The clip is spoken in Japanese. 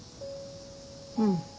うん。